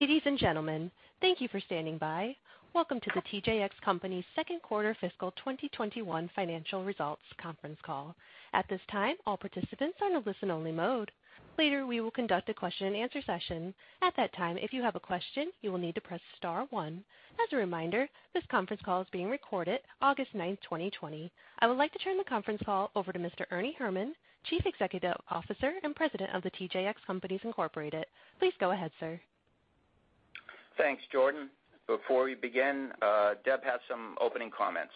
Ladies and gentlemen, thank you for standing by. Welcome to the TJX Companies' second quarter fiscal 2021 financial results conference call. At this time, all participants are in a listen-only mode. Later, we will conduct a question and answer session. At that time, if you have a question, you will need to press star one. As a reminder, this conference call is being recorded August 9, 2020. I would like to turn the conference call over to Mr. Ernie Herrman, Chief Executive Officer and President of the TJX Companies Incorporated. Please go ahead, sir. Thanks, Jordan. Before we begin, Deb has some opening comments.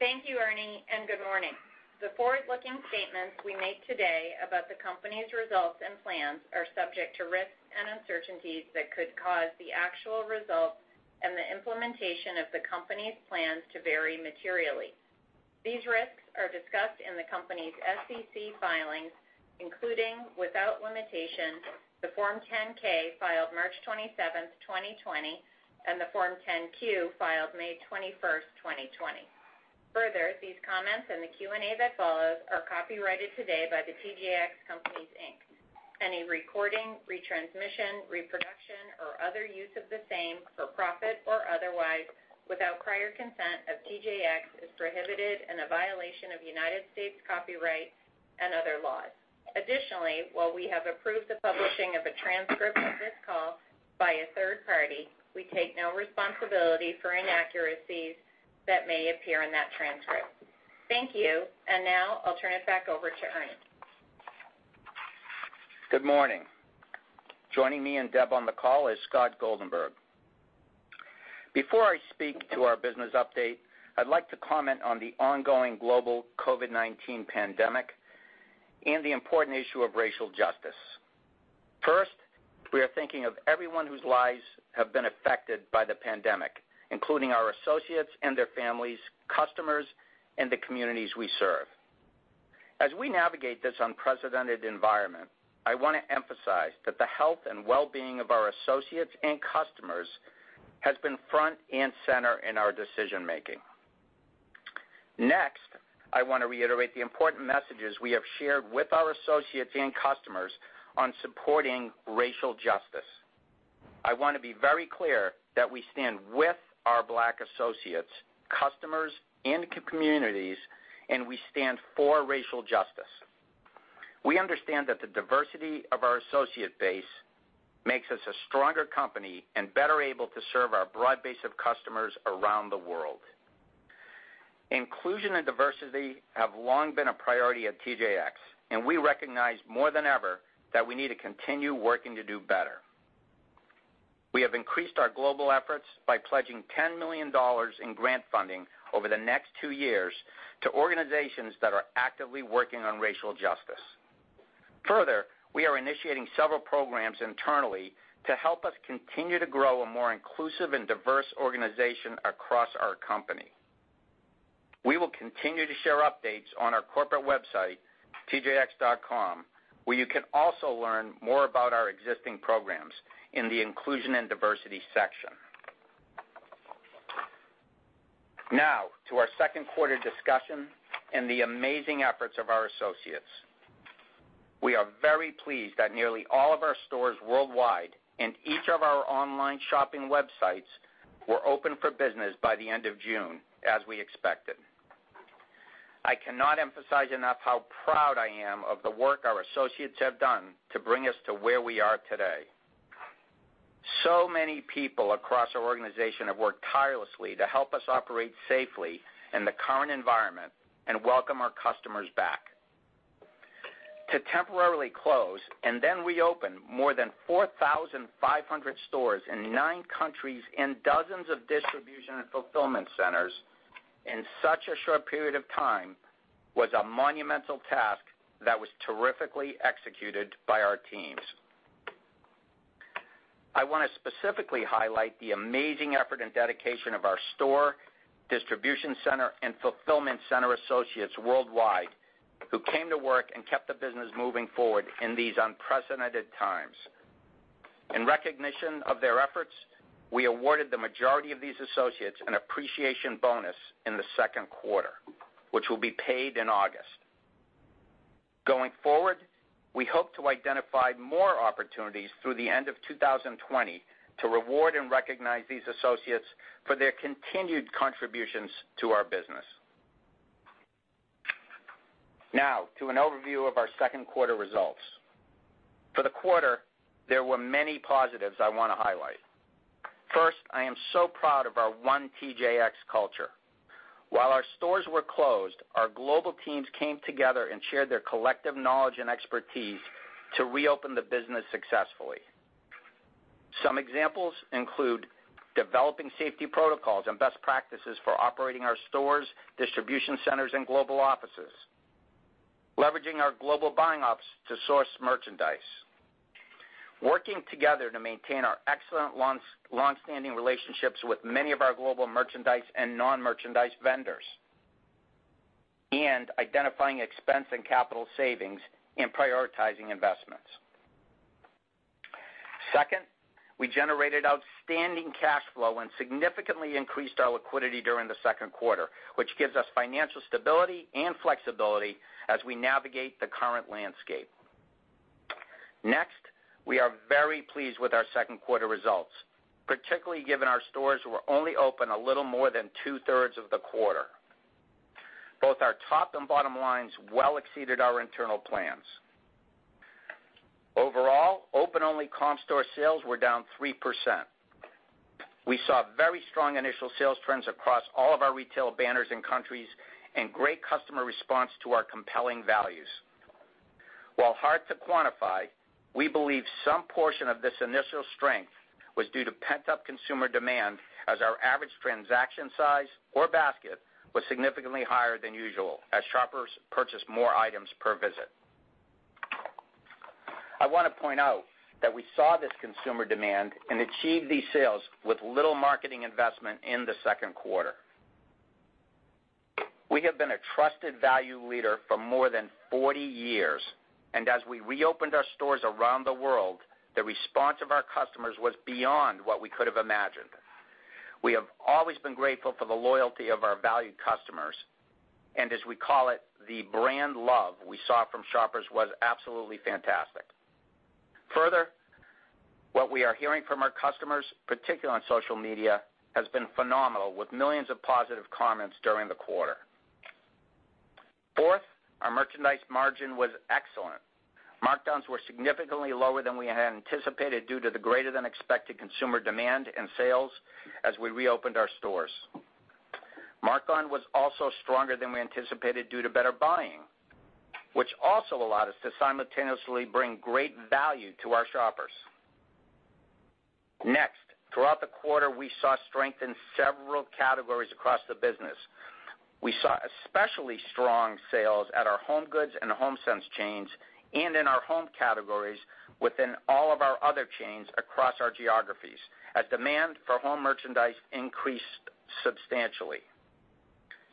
Thank you, Ernie, and good morning. The forward-looking statements we make today about the company's results and plans are subject to risks and uncertainties that could cause the actual results and the implementation of the company's plans to vary materially. These risks are discussed in the company's SEC filings, including, without limitation, the Form 10-K filed March 27th, 2020, and the Form 10-Q filed May 21st, 2020. These comments and the Q&A that follows are copyrighted today by The TJX Companies, Inc. Any recording, retransmission, reproduction, or other use of the same, for profit or otherwise, without prior consent of TJX, is prohibited and a violation of U.S. copyright and other laws. While we have approved the publishing of a transcript of this call by a third party, we take no responsibility for inaccuracies that may appear in that transcript. Thank you. Now, I'll turn it back over to Ernie. Good morning. Joining me and Deb on the call is Scott Goldenberg. Before I speak to our business update, I'd like to comment on the ongoing global COVID-19 pandemic and the important issue of racial justice. First, we are thinking of everyone whose lives have been affected by the pandemic, including our associates and their families, customers, and the communities we serve. As we navigate this unprecedented environment, I want to emphasize that the health and well-being of our associates and customers has been front and center in our decision-making. Next, I want to reiterate the important messages we have shared with our associates and customers on supporting racial justice. I want to be very clear that we stand with our Black associates, customers, and communities, and we stand for racial justice. We understand that the diversity of our associate base makes us a stronger company and better able to serve our broad base of customers around the world. Inclusion and Diversity have long been a priority at TJX, and we recognize more than ever that we need to continue working to do better. We have increased our global efforts by pledging $10 million in grant funding over the next two years to organizations that are actively working on racial justice. Further, we are initiating several programs internally to help us continue to grow a more inclusive and diverse organization across our company. We will continue to share updates on our corporate website, tjx.com, where you can also learn more about our existing programs in the Inclusion and Diversity section. Now, to our second quarter discussion and the amazing efforts of our associates. We are very pleased that nearly all of our stores worldwide and each of our online shopping websites were open for business by the end of June, as we expected. I cannot emphasize enough how proud I am of the work our associates have done to bring us to where we are today. Many people across our organization have worked tirelessly to help us operate safely in the current environment and welcome our customers back. To temporarily close and then reopen more than 4,500 stores in nine countries and dozens of distribution and fulfillment centers in such a short period of time was a monumental task that was terrifically executed by our teams. I want to specifically highlight the amazing effort and dedication of our store, distribution center, and fulfillment center associates worldwide who came to work and kept the business moving forward in these unprecedented times. In recognition of their efforts, we awarded the majority of these associates an appreciation bonus in the second quarter, which will be paid in August. Going forward, we hope to identify more opportunities through the end of 2020 to reward and recognize these associates for their continued contributions to our business. Now, to an overview of our second quarter results. For the quarter, there were many positives I want to highlight. First, I am so proud of our one TJX culture. While our stores were closed, our global teams came together and shared their collective knowledge and expertise to reopen the business successfully. Some examples include developing safety protocols and best practices for operating our stores, distribution centers, and global offices, leveraging our global buying ops to source merchandise, working together to maintain our excellent longstanding relationships with many of our global merchandise and non-merchandise vendors, and identifying expense and capital savings and prioritizing investments. Second, we generated outstanding cash flow and significantly increased our liquidity during the second quarter, which gives us financial stability and flexibility as we navigate the current landscape. Next, we are very pleased with our second quarter results, particularly given our stores were only open a little more than two-thirds of the quarter. Both our top and bottom lines well exceeded our internal plans. Overall, open-only comp store sales were down 3%. We saw very strong initial sales trends across all of our retail banners and countries and great customer response to our compelling values. While hard to quantify, we believe some portion of this initial strength was due to pent-up consumer demand as our average transaction size or basket was significantly higher than usual, as shoppers purchased more items per visit. I want to point out that we saw this consumer demand and achieved these sales with little marketing investment in the second quarter. We have been a trusted value leader for more than 40 years, and as we reopened our stores around the world, the response of our customers was beyond what we could have imagined. We have always been grateful for the loyalty of our valued customers, and as we call it, the brand love we saw from shoppers was absolutely fantastic. Further, what we are hearing from our customers, particularly on social media, has been phenomenal, with millions of positive comments during the quarter. Fourth, our merchandise margin was excellent. Markdowns were significantly lower than we had anticipated due to the greater-than-expected consumer demand and sales as we reopened our stores. Mark-on was also stronger than we anticipated due to better buying, which also allowed us to simultaneously bring great value to our shoppers. Throughout the quarter, we saw strength in several categories across the business. We saw especially strong sales at our HomeGoods and Homesense chains and in our home categories within all of our other chains across our geographies as demand for home merchandise increased substantially.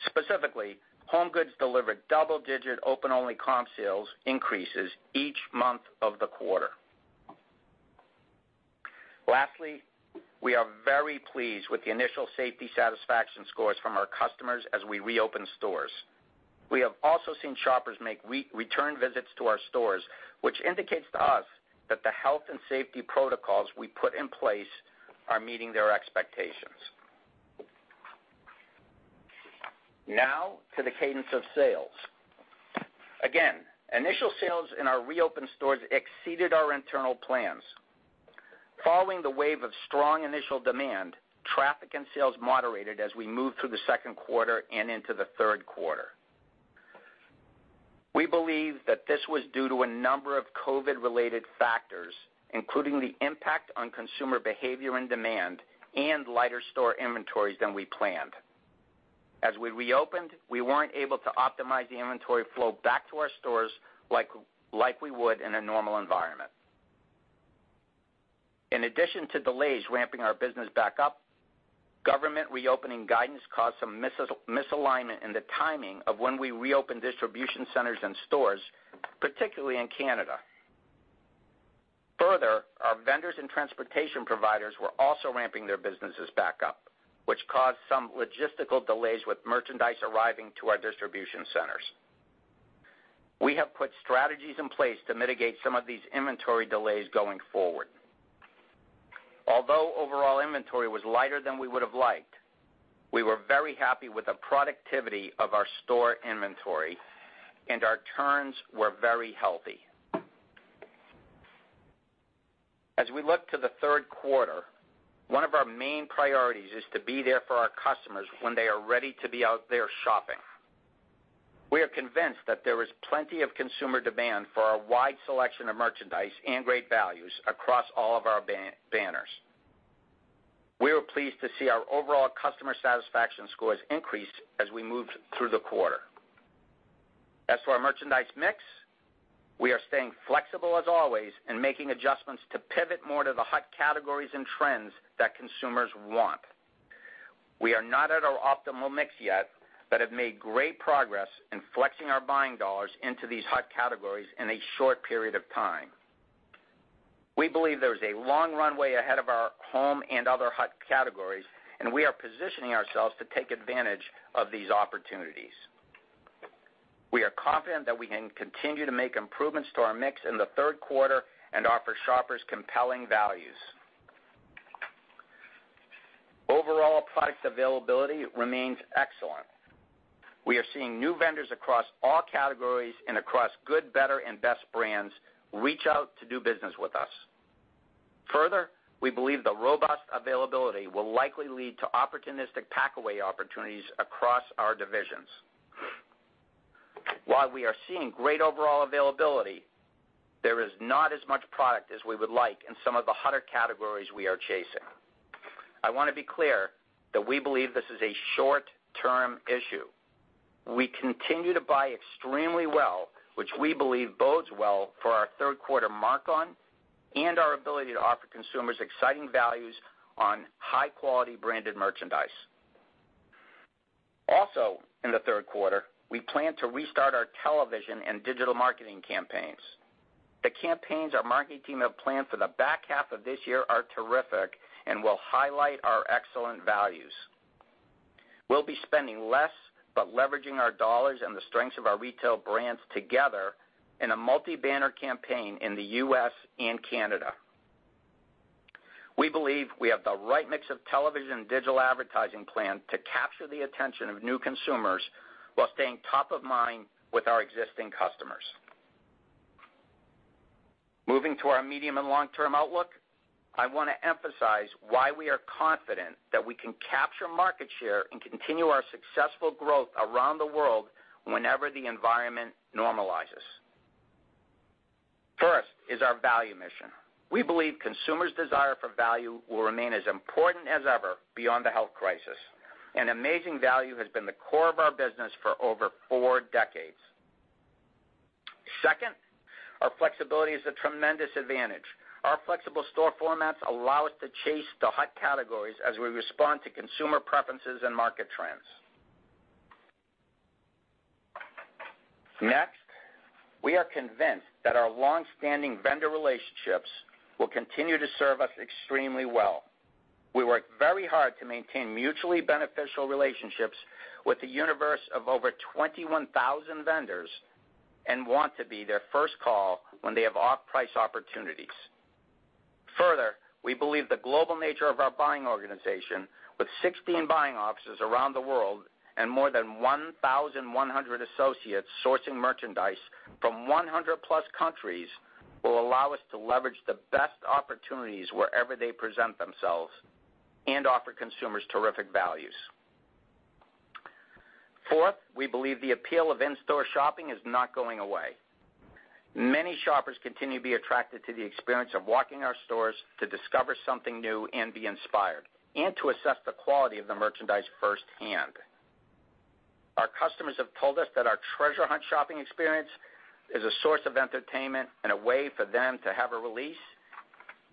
Specifically, HomeGoods delivered double-digit open-only comp sales increases each month of the quarter. We are very pleased with the initial safety satisfaction scores from our customers as we reopened stores. We have also seen shoppers make return visits to our stores, which indicates to us that the health and safety protocols we put in place are meeting their expectations. Now to the cadence of sales. Again, initial sales in our reopened stores exceeded our internal plans. Following the wave of strong initial demand, traffic and sales moderated as we moved through the second quarter and into the third quarter. We believe that this was due to a number of COVID-related factors, including the impact on consumer behavior and demand and lighter store inventories than we planned. As we reopened, we weren't able to optimize the inventory flow back to our stores like we would in a normal environment. In addition to delays ramping our business back up, government reopening guidance caused some misalignment in the timing of when we reopened distribution centers and stores, particularly in Canada. Further, our vendors and transportation providers were also ramping their businesses back up, which caused some logistical delays with merchandise arriving to our distribution centers. We have put strategies in place to mitigate some of these inventory delays going forward. Although overall inventory was lighter than we would have liked, we were very happy with the productivity of our store inventory, and our turns were very healthy. As we look to the third quarter, one of our main priorities is to be there for our customers when they are ready to be out there shopping. We are convinced that there is plenty of consumer demand for our wide selection of merchandise and great values across all of our banners. We were pleased to see our overall customer satisfaction scores increase as we moved through the quarter. As for our merchandise mix, we are staying flexible as always and making adjustments to pivot more to the hot categories and trends that consumers want. We are not at our optimal mix yet but have made great progress in flexing our buying dollars into these hot categories in a short period of time. We believe there is a long runway ahead of our home and other hot categories, and we are positioning ourselves to take advantage of these opportunities. We are confident that we can continue to make improvements to our mix in the third quarter and offer shoppers compelling values. Overall product availability remains excellent. We are seeing new vendors across all categories and across good, better, and best brands reach out to do business with us. Further, we believe the robust availability will likely lead to opportunistic packaway opportunities across our divisions. While we are seeing great overall availability, there is not as much product as we would like in some of the hotter categories we are chasing. I want to be clear that we believe this is a short-term issue. We continue to buy extremely well, which we believe bodes well for our third quarter mark-on and our ability to offer consumers exciting values on high-quality branded merchandise. Also, in the third quarter, we plan to restart our television and digital marketing campaigns. The campaigns our marketing team have planned for the back half of this year are terrific and will highlight our excellent values. We'll be spending less but leveraging our dollars and the strengths of our retail brands together in a multi-banner campaign in the U.S. and Canada. We believe we have the right mix of television and digital advertising plan to capture the attention of new consumers while staying top of mind with our existing customers. Moving to our medium and long-term outlook, I want to emphasize why we are confident that we can capture market share and continue our successful growth around the world whenever the environment normalizes. First is our value mission. We believe consumers' desire for value will remain as important as ever beyond the health crisis. Amazing value has been the core of our business for over four decades. Second, our flexibility is a tremendous advantage. Our flexible store formats allow us to chase the hot categories as we respond to consumer preferences and market trends. Next, we are convinced that our long-standing vendor relationships will continue to serve us extremely well. We work very hard to maintain mutually beneficial relationships with a universe of over 21,000 vendors, and want to be their first call when they have off-price opportunities. Further, we believe the global nature of our buying organization, with 16 buying offices around the world and more than 1,100 associates sourcing merchandise from 100+ countries, will allow us to leverage the best opportunities wherever they present themselves and offer consumers terrific values. Fourth, we believe the appeal of in-store shopping is not going away. Many shoppers continue to be attracted to the experience of walking our stores to discover something new and be inspired, and to assess the quality of the merchandise firsthand. Our customers have told us that our treasure hunt shopping experience is a source of entertainment and a way for them to have a release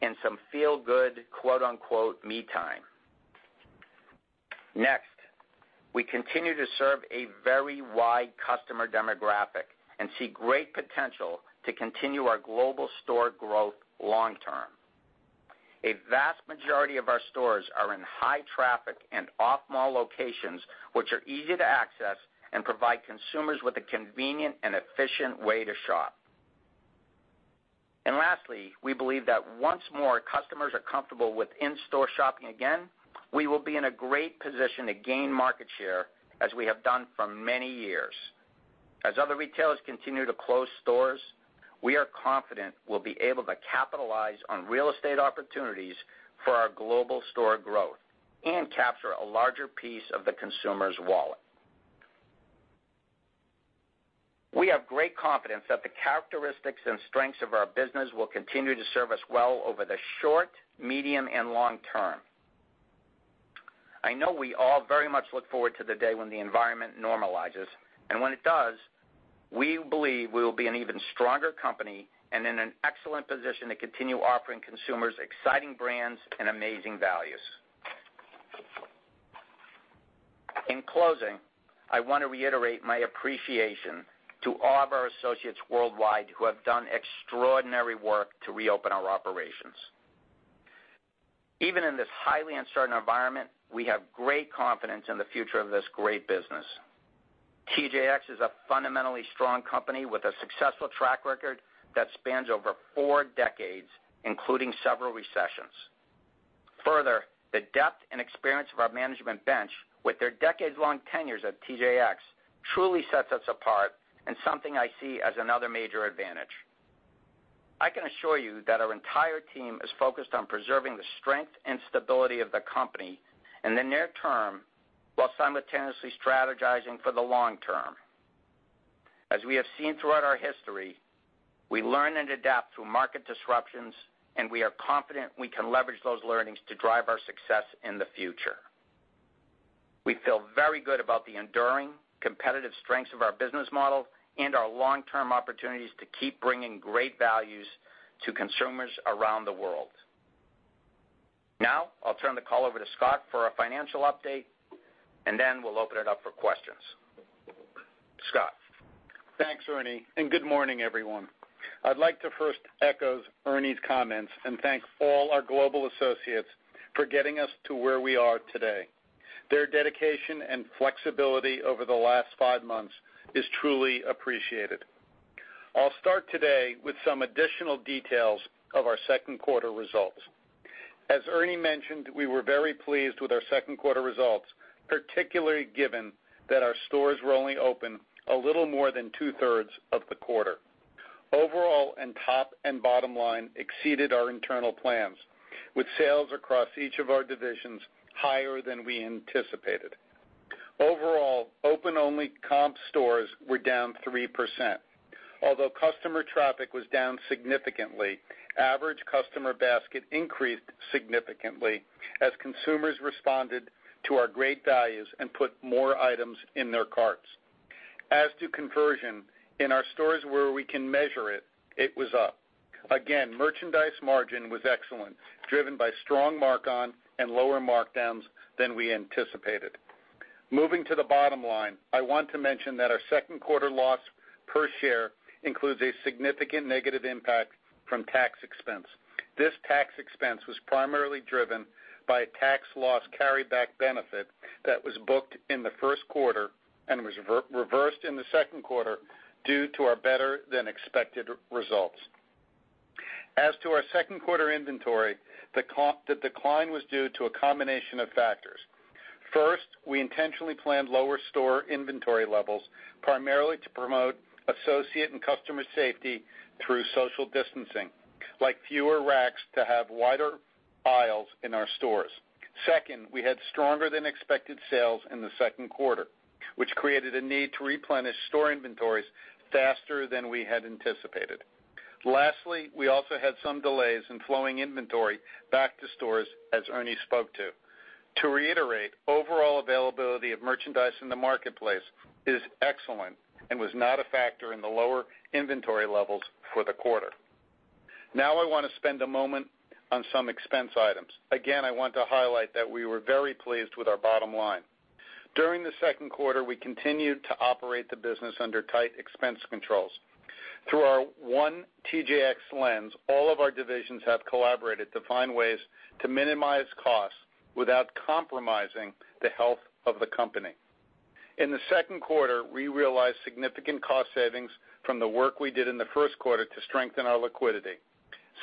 and some feel-good, quote-unquote, "me time." Next, we continue to serve a very wide customer demographic and see great potential to continue our global store growth long term. A vast majority of our stores are in high traffic and off-mall locations, which are easy to access and provide consumers with a convenient and efficient way to shop. Lastly, we believe that once more customers are comfortable with in-store shopping again, we will be in a great position to gain market share as we have done for many years. As other retailers continue to close stores, we are confident we'll be able to capitalize on real estate opportunities for our global store growth and capture a larger piece of the consumer's wallet. We have great confidence that the characteristics and strengths of our business will continue to serve us well over the short, medium, and long term. I know we all very much look forward to the day when the environment normalizes, and when it does, we believe we will be an even stronger company and in an excellent position to continue offering consumers exciting brands and amazing values. In closing, I want to reiterate my appreciation to all of our associates worldwide who have done extraordinary work to reopen our operations. Even in this highly uncertain environment, we have great confidence in the future of this great business. TJX is a fundamentally strong company with a successful track record that spans over four decades, including several recessions. Further, the depth and experience of our management bench with their decades-long tenures at TJX truly sets us apart and something I see as another major advantage. I can assure you that our entire team is focused on preserving the strength and stability of the company in the near term, while simultaneously strategizing for the long term. As we have seen throughout our history, we learn and adapt through market disruptions, and we are confident we can leverage those learnings to drive our success in the future. We feel very good about the enduring competitive strengths of our business model and our long-term opportunities to keep bringing great values to consumers around the world. Now, I'll turn the call over to Scott for a financial update, and then we'll open it up for questions. Scott? Thanks, Ernie, and good morning, everyone. I'd like to first echo Ernie's comments and thank all our global associates for getting us to where we are today. Their dedication and flexibility over the last five months is truly appreciated. I'll start today with some additional details of our second quarter results. As Ernie mentioned, we were very pleased with our second quarter results, particularly given that our stores were only open a little more than two-thirds of the quarter. Overall, top and bottom line exceeded our internal plans, with sales across each of our divisions higher than we anticipated. Overall, open-only comp stores were down 3%. Although customer traffic was down significantly, average customer basket increased significantly as consumers responded to our great values and put more items in their carts. As to conversion, in our stores where we can measure it was up. Again, merchandise margin was excellent, driven by strong mark-on and lower markdowns than we anticipated. Moving to the bottom line, I want to mention that our second quarter loss per share includes a significant negative impact from tax expense. This tax expense was primarily driven by a tax loss carryback benefit that was booked in the first quarter and was reversed in the second quarter due to our better-than-expected results. As to our second quarter inventory, the decline was due to a combination of factors. First, we intentionally planned lower store inventory levels, primarily to promote associate and customer safety through social distancing, like fewer racks to have wider aisles in our stores. Second, we had stronger-than-expected sales in the second quarter, which created a need to replenish store inventories faster than we had anticipated. Lastly, we also had some delays in flowing inventory back to stores, as Ernie spoke to. To reiterate, overall availability of merchandise in the marketplace is excellent and was not a factor in the lower inventory levels for the quarter. Now I want to spend a moment on some expense items. Again, I want to highlight that we were very pleased with our bottom line. During the second quarter, we continued to operate the business under tight expense controls. Through our one TJX lens, all of our divisions have collaborated to find ways to minimize costs without compromising the health of the company. In the second quarter, we realized significant cost savings from the work we did in the first quarter to strengthen our liquidity.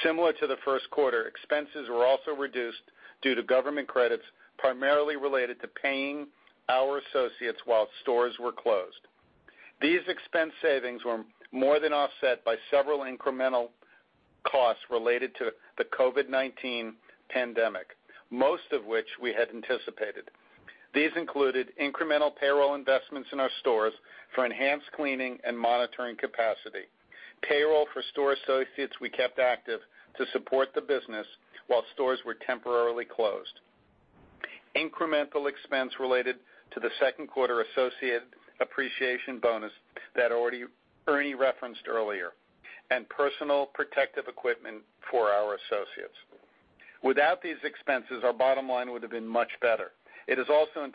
Similar to the first quarter, expenses were also reduced due to government credits, primarily related to paying our associates while stores were closed. These expense savings were more than offset by several incremental costs related to the COVID-19 pandemic, most of which we had anticipated. These included incremental payroll investments in our stores for enhanced cleaning and monitoring capacity, payroll for store associates we kept active to support the business while stores were temporarily closed, incremental expense related to the second quarter associate appreciation bonus that Ernie referenced earlier, and personal protective equipment for our associates. Without these expenses, our bottom line would have been much better. It is also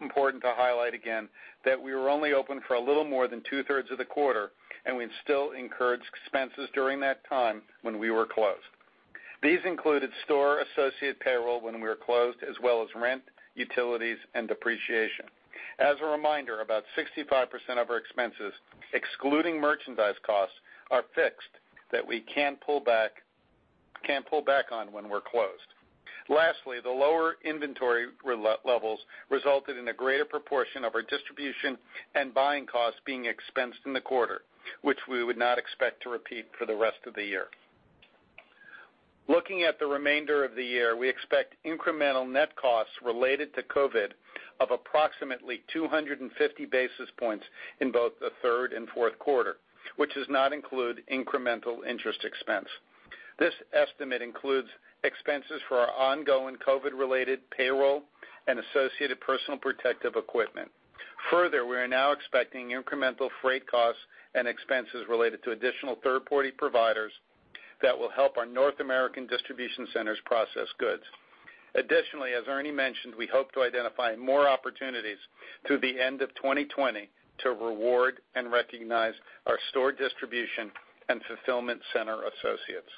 important to highlight again that we were only open for a little more than two-thirds of the quarter, and we still incurred expenses during that time when we were closed. These included store associate payroll when we were closed, as well as rent, utilities, and depreciation. As a reminder, about 65% of our expenses, excluding merchandise costs, are fixed that we can't pull back on when we're closed. Lastly, the lower inventory levels resulted in a greater proportion of our distribution and buying costs being expensed in the quarter, which we would not expect to repeat for the rest of the year. Looking at the remainder of the year, we expect incremental net costs related to COVID of approximately 250 basis points in both the third and fourth quarter, which does not include incremental interest expense. This estimate includes expenses for our ongoing COVID-related payroll and associated personal protective equipment. Further, we are now expecting incremental freight costs and expenses related to additional third-party providers that will help our North American distribution centers process goods. Additionally, as Ernie mentioned, we hope to identify more opportunities through the end of 2020 to reward and recognize our store distribution and fulfillment center associates.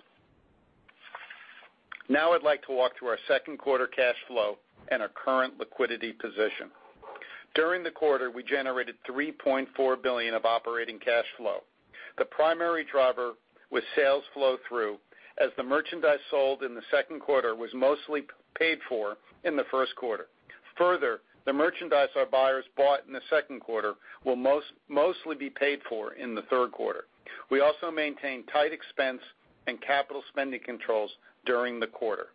I'd like to walk through our second quarter cash flow and our current liquidity position. During the quarter, we generated $3.4 billion of operating cash flow. The primary driver was sales flow through, as the merchandise sold in the second quarter was mostly paid for in the first quarter. The merchandise our buyers bought in the second quarter will mostly be paid for in the third quarter. We also maintained tight expense and capital spending controls during the quarter.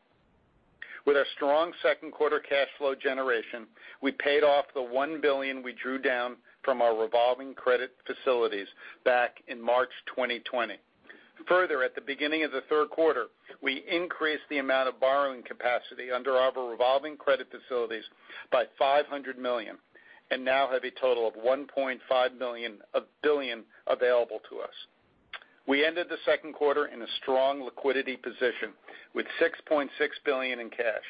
With our strong second quarter cash flow generation, we paid off the $1 billion we drew down from our revolving credit facilities back in March 2020. At the beginning of the third quarter, we increased the amount of borrowing capacity under our revolving credit facilities by $500 million and now have a total of $1.5 billion available to us. We ended the second quarter in a strong liquidity position with $6.6 billion in cash.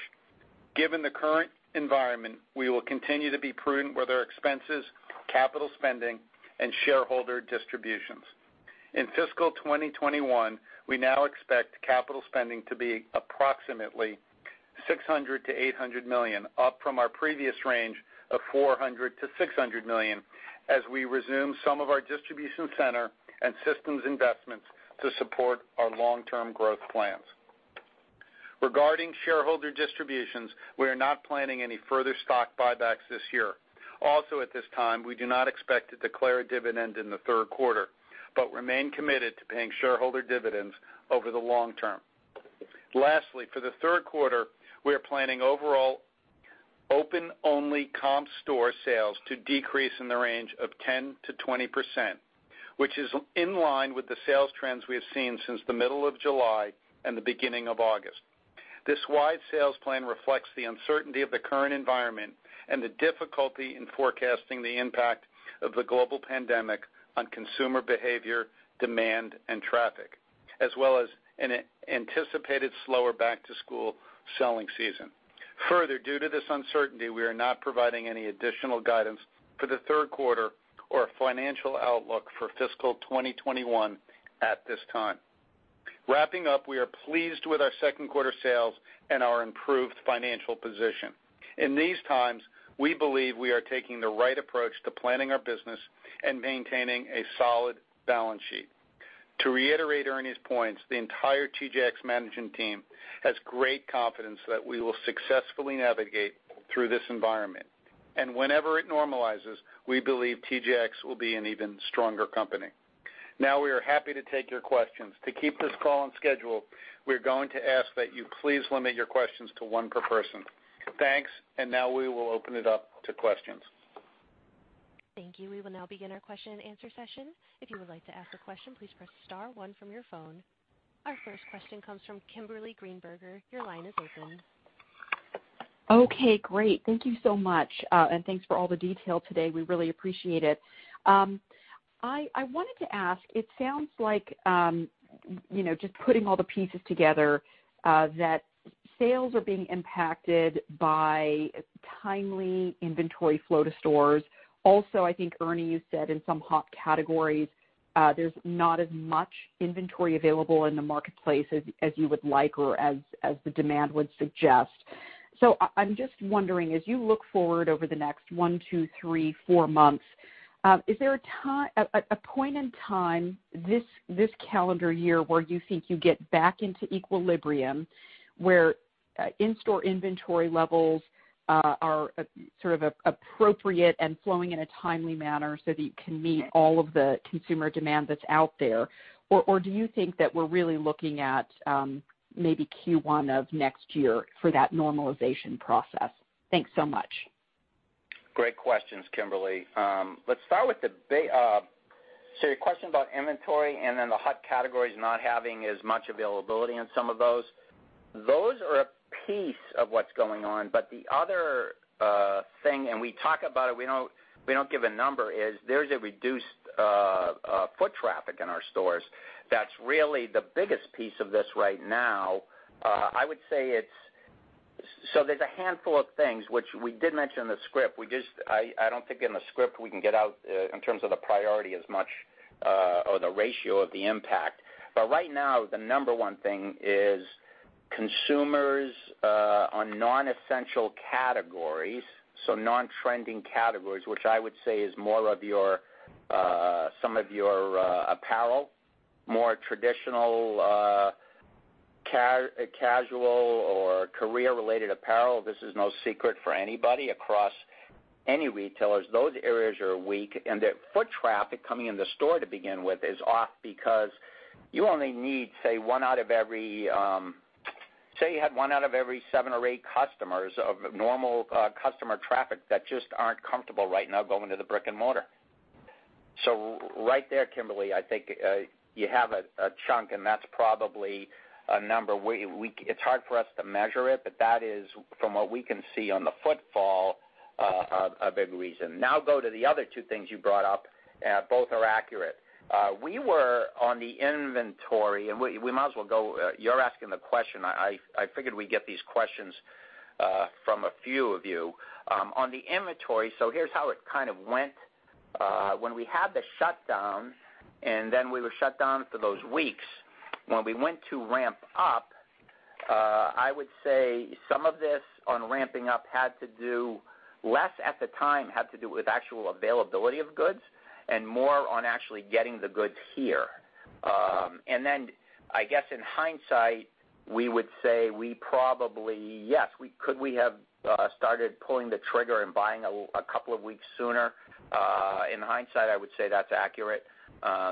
Given the current environment, we will continue to be prudent with our expenses, capital spending, and shareholder distributions. In fiscal 2021, we now expect capital spending to be approximately $600 million-$800 million, up from our previous range of $400 million-$600 million, as we resume some of our distribution center and systems investments to support our long-term growth plans. Regarding shareholder distributions, we are not planning any further stock buybacks this year. At this time, we do not expect to declare a dividend in the third quarter, but remain committed to paying shareholder dividends over the long term. Lastly, for the third quarter, we are planning overall open-only comp store sales to decrease in the range of 10%-20%, which is in line with the sales trends we have seen since the middle of July and the beginning of August. This wide sales plan reflects the uncertainty of the current environment and the difficulty in forecasting the impact of the global pandemic on consumer behavior, demand, and traffic, as well as an anticipated slower back-to-school selling season. Further, due to this uncertainty, we are not providing any additional guidance for the third quarter or financial outlook for fiscal 2021 at this time. Wrapping up, we are pleased with our second quarter sales and our improved financial position. In these times, we believe we are taking the right approach to planning our business and maintaining a solid balance sheet. To reiterate Ernie's points, the entire TJX management team has great confidence that we will successfully navigate through this environment. Whenever it normalizes, we believe TJX will be an even stronger company. Now we are happy to take your questions. To keep this call on schedule, we're going to ask that you please limit your questions to one per person. Thanks. Now we will open it up to questions. Thank you. We will now begin our question and answer session. If you would like to ask a question, please press star one from your phone. Our first question comes from Kimberly Greenberger. Your line is open. Okay, great. Thank you so much, thanks for all the detail today. We really appreciate it. I wanted to ask, it sounds like, just putting all the pieces together, that sales are being impacted by timely inventory flow to stores. I think, Ernie, you said in some hot categories, there's not as much inventory available in the marketplace as you would like or as the demand would suggest. I'm just wondering, as you look forward over the next one, two, three, four months, is there a point in time this calendar year where you think you get back into equilibrium, where in-store inventory levels are sort of appropriate and flowing in a timely manner so that you can meet all of the consumer demand that's out there? Do you think that we're really looking at maybe Q1 of next year for that normalization process? Thanks so much. Great questions, Kimberly. Your question about inventory and then the hot categories not having as much availability on some of those are a piece of what's going on. The other thing, and we talk about it, we don't give a number, is there's a reduced foot traffic in our stores that's really the biggest piece of this right now. There's a handful of things which we did mention in the script. I don't think in the script we can get out in terms of the priority as much or the ratio of the impact. Right now, the number one thing is consumers on non-essential categories, so non-trending categories, which I would say is more of some of your apparel, more traditional casual or career-related apparel. This is no secret for anybody across any retailers. Those areas are weak, and the foot traffic coming in the store to begin with is off because you only need, say, you had one out of every seven or eight customers of normal customer traffic that just aren't comfortable right now going to the brick and mortar. Right there, Kimberly, I think you have a chunk, and that's probably a number. It's hard for us to measure it, but that is, from what we can see on the footfall, a big reason. Now go to the other two things you brought up. Both are accurate. We were on the inventory, and we might as well go, you're asking the question, I figured we'd get these questions from a few of you. On the inventory, so here's how it kind of went. When we had the shutdown, we were shut down for those weeks, when we went to ramp up, I would say some of this on ramping up had to do, less at the time, had to do with actual availability of goods and more on actually getting the goods here. I guess in hindsight, we would say we probably, yes, could we have started pulling the trigger and buying a couple of weeks sooner? In hindsight, I would say that's accurate.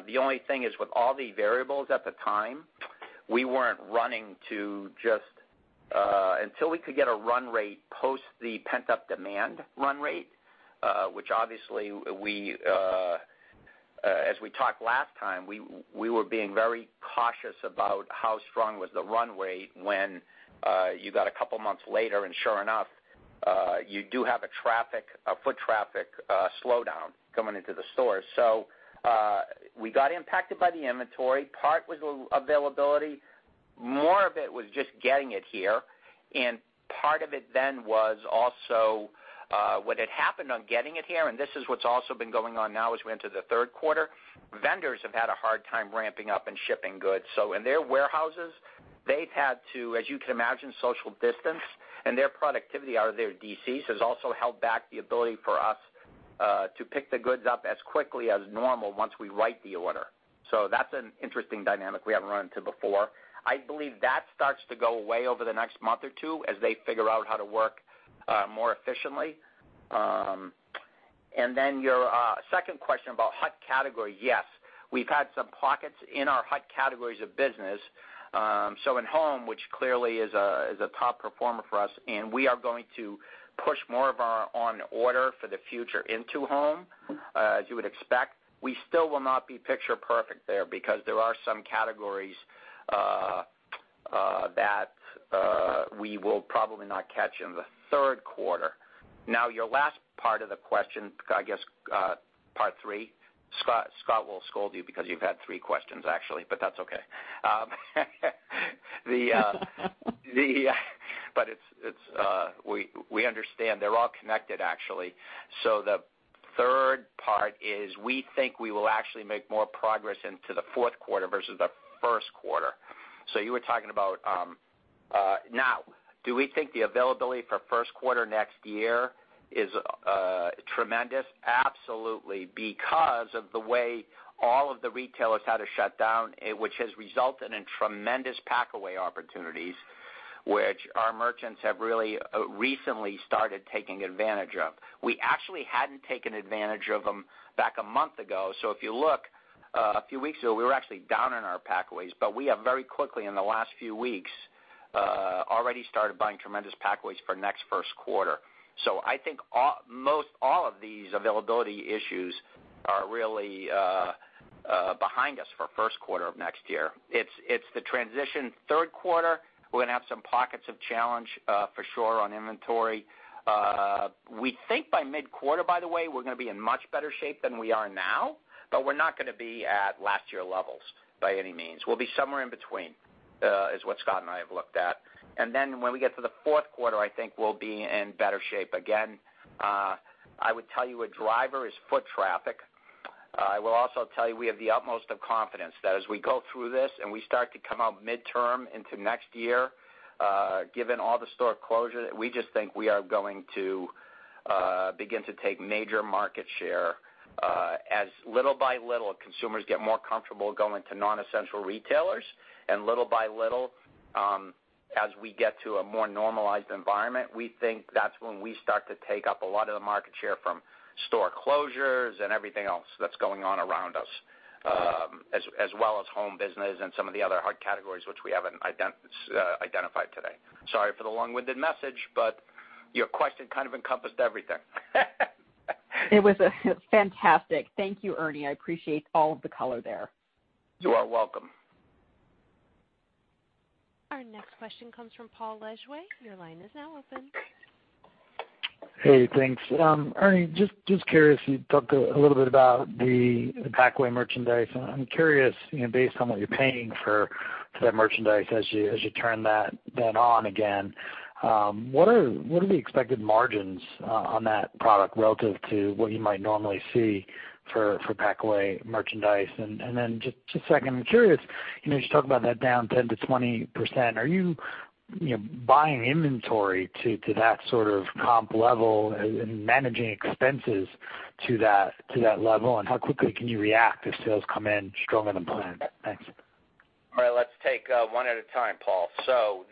The only thing is with all the variables at the time, we weren't running to just, until we could get a run rate post the pent-up demand run rate, which obviously as we talked last time, we were being very cautious about how strong was the run rate when you got a couple months later, and sure enough, you do have a foot traffic slowdown coming into the store. We got impacted by the inventory. Part was availability. More of it was just getting it here. Part of it then was also what had happened on getting it here, and this is what's also been going on now as we enter the third quarter, vendors have had a hard time ramping up and shipping goods. In their warehouses, they've had to, as you can imagine, social distance, and their productivity out of their DCs has also held back the ability for us to pick the goods up as quickly as normal once we write the order. That's an interesting dynamic we haven't run into before. I believe that starts to go away over the next month or two as they figure out how to work more efficiently. Then your second question about hot category, yes. We've had some pockets in our hot categories of business. In home, which clearly is a top performer for us, and we are going to push more of our on order for the future into home, as you would expect. We still will not be picture perfect there because there are some categories that we will probably not catch in the third quarter. Your last part of the question, I guess part three. Scott will scold you because you've had three questions, actually, but that's okay. We understand. They're all connected, actually. The third part is, we think we will actually make more progress into the fourth quarter versus the first quarter. You were talking about, now, do we think the availability for first quarter next year is tremendous? Absolutely, because of the way all of the retailers had to shut down, which has resulted in tremendous packaway opportunities, which our merchants have really recently started taking advantage of. We actually hadn't taken advantage of them back a month ago. If you look, a few weeks ago, we were actually down in our pack-aways, but we have very quickly in the last few weeks, already started buying tremendous pack-aways for next first quarter. I think most all of these availability issues are really behind us for first quarter of next year. It's the transition. Third quarter, we're going to have some pockets of challenge, for sure, on inventory. We think by mid-quarter, by the way, we're going to be in much better shape than we are now, but we're not going to be at last year levels by any means. We'll be somewhere in between, is what Scott and I have looked at. When we get to the fourth quarter, I think we'll be in better shape again. I would tell you a driver is foot traffic. I will also tell you, we have the utmost of confidence that as we go through this and we start to come out midterm into next year, given all the store closures, we just think we are going to begin to take major market share. As little by little, consumers get more comfortable going to non-essential retailers, and little by little, as we get to a more normalized environment, we think that's when we start to take up a lot of the market share from store closures and everything else that's going on around us, as well as home business and some of the other hard categories which we haven't identified today. Sorry for the long-winded message, but your question kind of encompassed everything. It was fantastic. Thank you, Ernie. I appreciate all of the color there. You are welcome. Our next question comes from Paul Lejuez. Your line is now open. Hey, thanks. Ernie, just curious, you talked a little bit about the packaway merchandise. I'm curious, based on what you're paying for that merchandise as you turn that on again, what are the expected margins on that product relative to what you might normally see for packaway merchandise? Just a second, I'm curious, as you talk about that down 10%-20%, are you buying inventory to that sort of comp level and managing expenses to that level? How quickly can you react if sales come in stronger than planned? Thanks. All right. Let's take one at a time, Paul.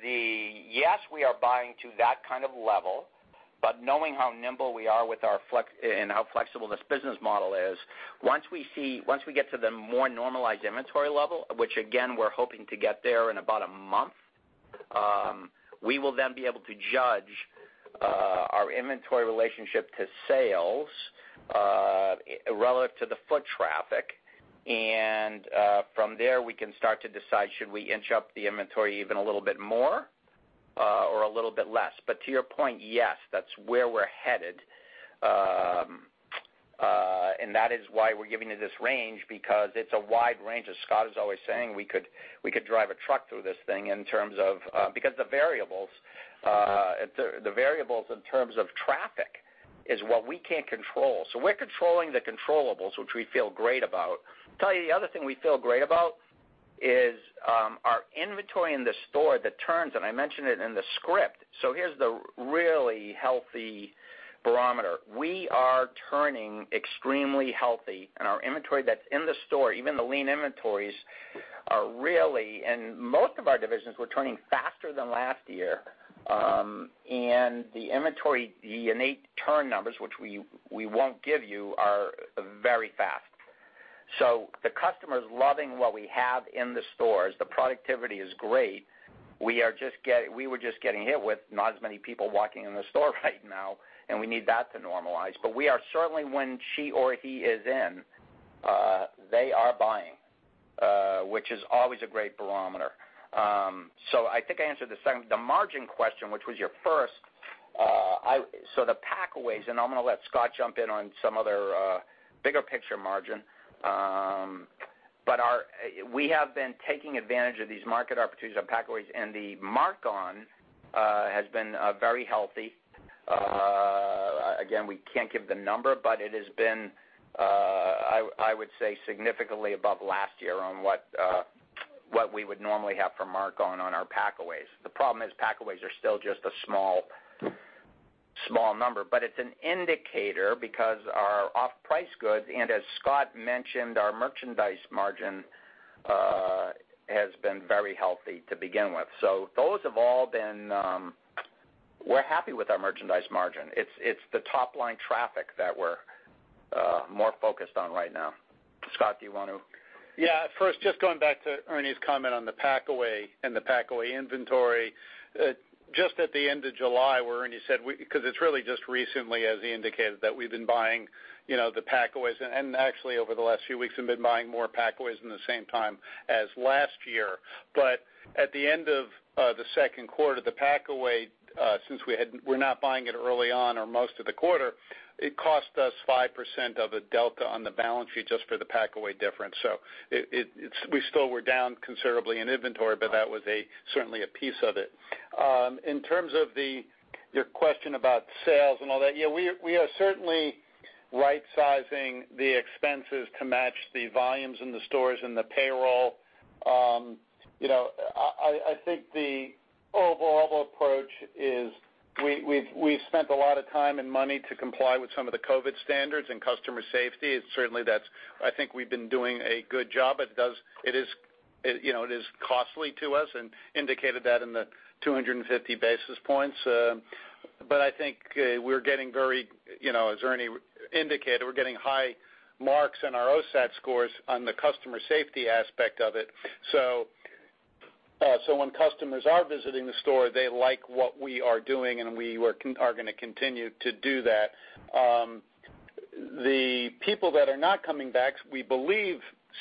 Yes, we are buying to that kind of level, but knowing how nimble we are and how flexible this business model is, once we get to the more normalized inventory level, which again, we're hoping to get there in about a month, we will then be able to judge our inventory relationship to sales, relative to the foot traffic. From there, we can start to decide, should we inch up the inventory even a little bit more or a little bit less. To your point, yes, that's where we're headed. That is why we're giving you this range, because it's a wide range. As Scott is always saying, we could drive a truck through this thing because the variables in terms of traffic is what we can't control. We're controlling the controllables, which we feel great about. Tell you the other thing we feel great about is our inventory in the store that turns, and I mentioned it in the script. Here's the really healthy barometer. We are turning extremely healthy, and our inventory that's in the store, even the lean inventories, in most of our divisions, we're turning faster than last year. The inventory, the innate turn numbers, which we won't give you, are very fast. The customer's loving what we have in the stores. The productivity is great. We were just getting hit with not as many people walking in the store right now, and we need that to normalize. We are certainly, when she or he is in, they are buying, which is always a great barometer. I think I answered the second. The margin question, which was your first. The packaways, and I'm going to let Scott jump in on some other bigger picture margin. We have been taking advantage of these market opportunities on packaways, and the mark-on has been very healthy. Again, we can't give the number, but it has been, I would say, significantly above last year on what we would normally have for mark-on, on our packaways. The problem is packaways are still just a small number, but it's an indicator because our off-price goods, and as Scott mentioned, our merchandise margin has been very healthy to begin with. We're happy with our merchandise margin. It's the top-line traffic that we're more focused on right now. Scott, do you want to? First, just going back to Ernie's comment on the packaway and the packaway inventory. Just at the end of July, where Ernie said, because it's really just recently, as he indicated, that we've been buying the packaways, and actually over the last few weeks have been buying more packaways in the same time as last year. At the end of the second quarter, the packaway, since we're not buying it early on or most of the quarter, it cost us 5% of a delta on the balance sheet just for the packaway difference. We still were down considerably in inventory, but that was certainly a piece of it. In terms of your question about sales and all that, we are certainly right-sizing the expenses to match the volumes in the stores and the payroll. I think the overall approach is we've spent a lot of time and money to comply with some of the COVID-19 standards and customer safety. Certainly, I think we've been doing a good job. It is costly to us and indicated that in the 250 basis points. I think we're getting very, as Ernie indicated, we're getting high marks on our OSAT scores on the customer safety aspect of it. When customers are visiting the store, they like what we are doing, and we are going to continue to do that. The people that are not coming back, we believe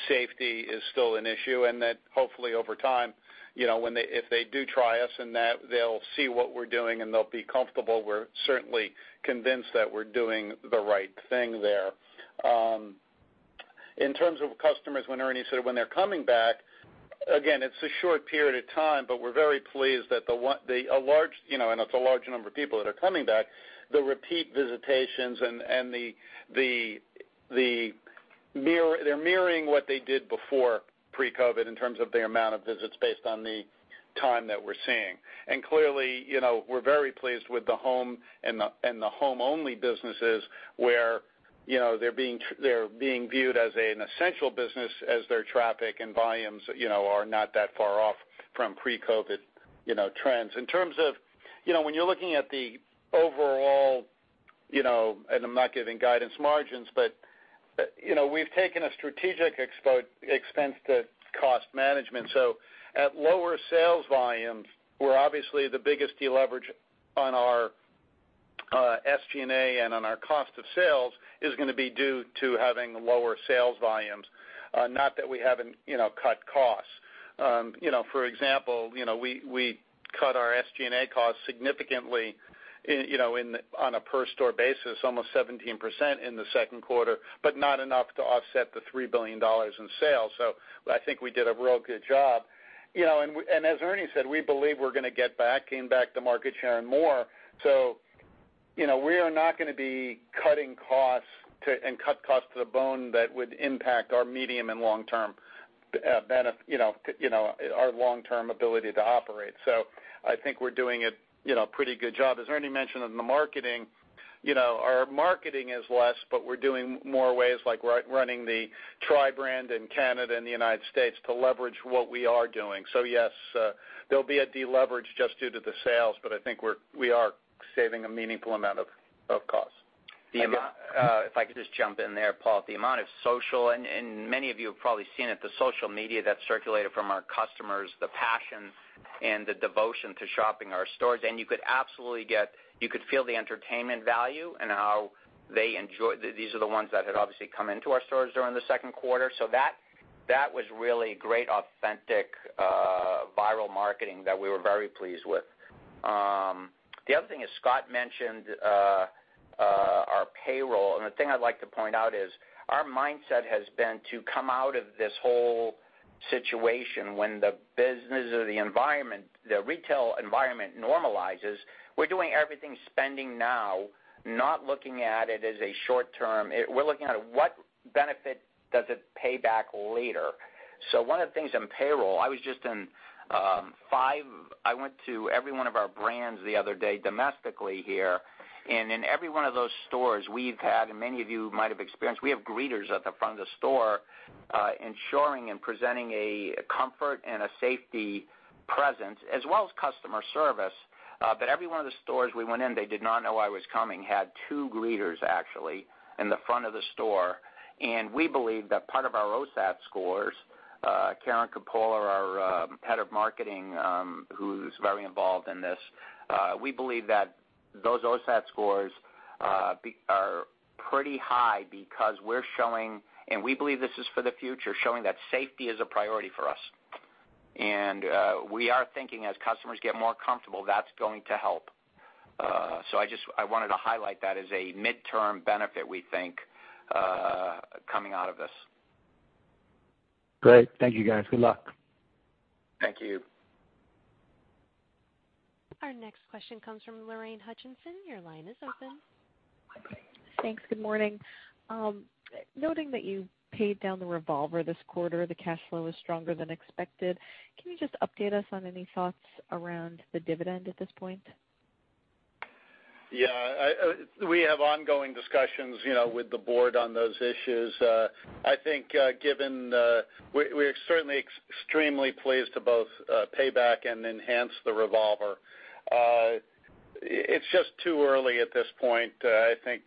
safety is still an issue, and that hopefully over time, if they do try us and that they'll see what we're doing and they'll be comfortable. We're certainly convinced that we're doing the right thing there. In terms of customers, when Ernie said when they're coming back, again, it's a short period of time, but we're very pleased that the and it's a large number of people that are coming back, the repeat visitations and they're mirroring what they did before pre-COVID in terms of their amount of visits based on the time that we're seeing. Clearly, we're very pleased with the home and the home-only businesses where they're being viewed as an essential business as their traffic and volumes are not that far off from pre-COVID trends. In terms of when you're looking at the overall, and I'm not giving guidance margins, but we've taken a strategic expense to cost management. At lower sales volumes, where obviously the biggest deleverage on our SG&A and on our cost of sales is going to be due to having lower sales volumes. Not that we haven't cut costs. For example, we cut our SG&A costs significantly on a per store basis, almost 17% in the second quarter, not enough to offset the $3 billion in sales. I think we did a real good job. As Ernie said, we believe we're going to get back, gain back the market share and more. We are not going to be cutting costs and cut costs to the bone that would impact our medium and long-term ability to operate. I think we're doing a pretty good job. As Ernie mentioned in the marketing, our marketing is less, we're doing more ways like running the tri-brand in Canada and the United States to leverage what we are doing. Yes, there'll be a deleverage just due to the sales, I think we are saving a meaningful amount of cost. If I could just jump in there, Paul, the amount of social, and many of you have probably seen it, the social media that's circulated from our customers, the passion and the devotion to shopping our stores. You could absolutely feel the entertainment value and how they enjoy. These are the ones that had obviously come into our stores during the second quarter. That was really great, authentic, viral marketing that we were very pleased with. The other thing is, Scott mentioned our payroll, and the thing I'd like to point out is our mindset has been to come out of this whole situation when the business or the retail environment normalizes. We're doing everything spending now, not looking at it as a short term. We're looking at what benefit does it pay back later. One of the things in payroll, I went to every one of our brands the other day domestically here, in every one of those stores we've had, and many of you might have experienced, we have greeters at the front of the store ensuring and presenting a comfort and a safety presence as well as customer service. Every one of the stores we went in, they did not know I was coming, had two greeters, actually, in the front of the store. We believe that part of our OSAT scores, Karen Coppola, our Head of Marketing, who's very involved in this, we believe that those OSAT scores are pretty high because we're showing, and we believe this is for the future, showing that safety is a priority for us. We are thinking as customers get more comfortable, that's going to help. I wanted to highlight that as a midterm benefit, we think, coming out of this. Great. Thank you guys. Good luck. Thank you. Our next question comes from Lorraine Hutchinson. Your line is open. Thanks. Good morning. Noting that you paid down the revolver this quarter, the cash flow is stronger than expected. Can you just update us on any thoughts around the dividend at this point? Yeah. We have ongoing discussions with the board on those issues. We're certainly extremely pleased to both pay back and enhance the revolver. It's just too early at this point. I think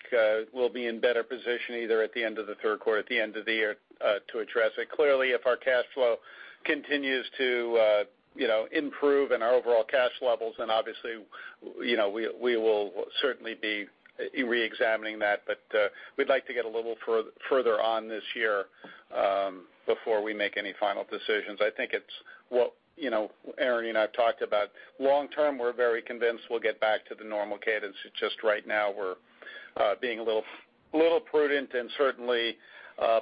we'll be in better position either at the end of the third quarter, at the end of the year, to address it. Clearly, if our cash flow continues to improve and our overall cash levels, then obviously, we will certainly be re-examining that. We'd like to get a little further on this year before we make any final decisions. I think it's what Ernie and I have talked about. Long-term, we're very convinced we'll get back to the normal cadence. It's just right now we're being a little prudent and certainly,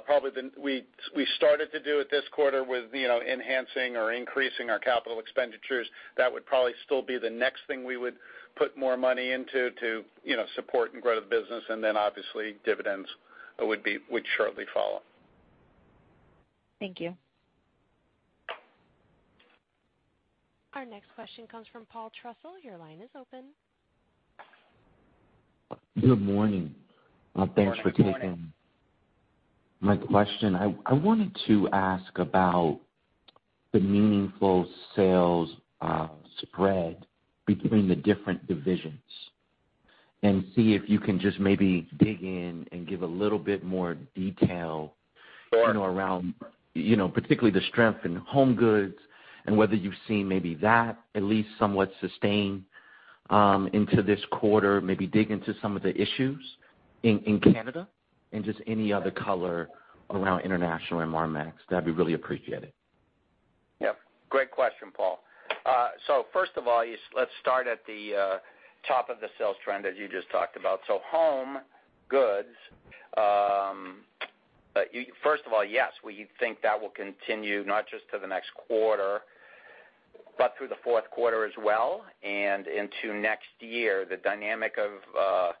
probably we started to do it this quarter with enhancing or increasing our CapEx. That would probably still be the next thing we would put more money into to support and grow the business, and then obviously dividends would shortly follow. Thank you. Our next question comes from Paul Trussell. Your line is open. Good morning. Morning. Thanks for taking my question. I wanted to ask about the meaningful sales spread between the different divisions and see if you can just maybe dig in and give a little bit more detail around particularly the strength in HomeGoods and whether you've seen maybe that at least somewhat sustain into this quarter, maybe dig into some of the issues in Canada and just any other color around international and Marmaxx. That'd be really appreciated. Yeah, great question, Paul. First of all, let's start at the top of the sales trend as you just talked about. HomeGoods. First of all, yes, we think that will continue not just to the next quarter, but through the fourth quarter as well and into next year. The dynamic of,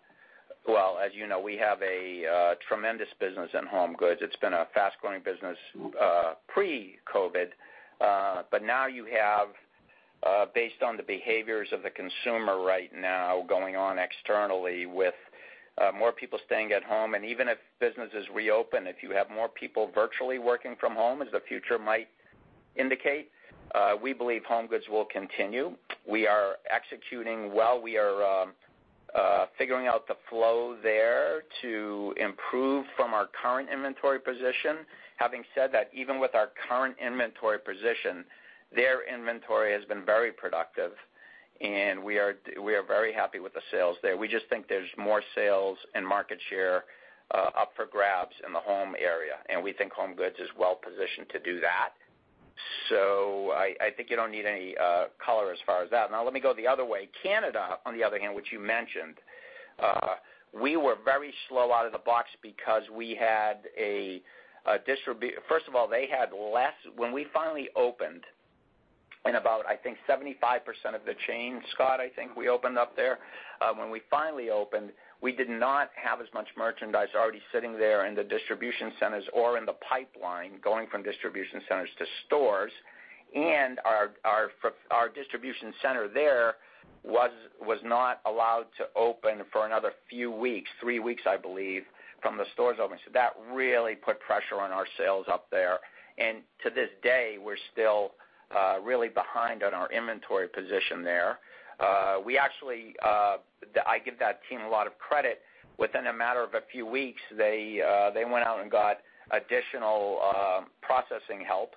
well, as you know, we have a tremendous business in HomeGoods. It's been a fast-growing business pre-COVID. Now you have, based on the behaviors of the consumer right now going on externally with more people staying at home, and even if businesses reopen, if you have more people virtually working from home as the future might indicate, we believe HomeGoods will continue. We are executing well. We are figuring out the flow there to improve from our current inventory position. Having said that, even with our current inventory position, their inventory has been very productive and we are very happy with the sales there. We just think there's more sales and market share up for grabs in the home area, and we think HomeGoods is well positioned to do that. I think you don't need any color as far as that. Now let me go the other way. Canada, on the other hand, which you mentioned, we were very slow out of the box because when we finally opened in about, I think, 75% of the chain, Scott, I think we opened up there, we did not have as much merchandise already sitting there in the distribution centers or in the pipeline going from distribution centers to stores. Our distribution center there was not allowed to open for another few weeks, three weeks, I believe, from the stores opening. To this day, we're still really behind on our inventory position there. I give that team a lot of credit. Within a matter of a few weeks, they went out and got additional processing help